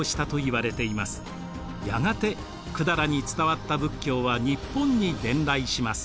やがて百済に伝わった仏教は日本に伝来します。